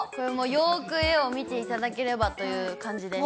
よーく絵を見ていただければという感じです。